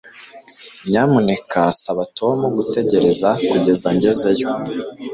nyamuneka saba tom gutegereza kugeza ngezeyo